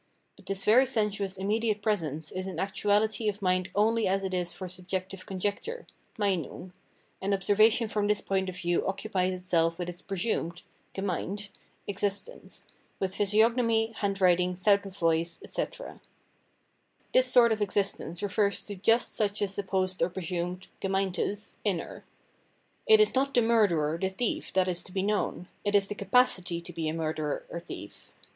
But this very sensuous immediate presence is an actuality of mind only as it Physiognomy 309 is for subjective conjecture (Meinung) ; and obser vation from tbis point of view occupies itself with its " presumed " (gemeint) existence^ with physiognomy, handwriting, sound of voice, etc. This sort of existence refers to just such a supposed or presumed (gemeintes) inner. It is not the murderer, the thief that is to be known ; it is the capacity to be a murderer, a thief.